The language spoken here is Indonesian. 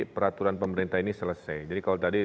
peraturan pemerintah ini selesai jadi kalau tadi